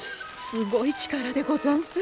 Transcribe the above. すごい力でござんす。